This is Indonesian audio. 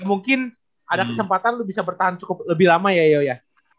mungkin ada kesempatan bisa bertahan cukup lebih lama ya yo ya